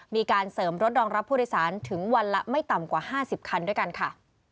มีการเสริมรถรองรับผู้โดยสารถึงวันละไม่ต่ำกว่า๕๐คันด้วยกันค่ะ